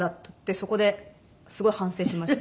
そこですごい反省しました。